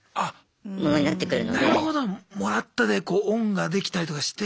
もらったでこう恩ができたりとかして。